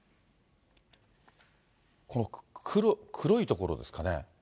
この黒い所ですかね。